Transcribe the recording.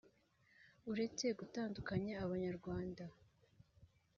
uretse gutandukanya abanyarwanda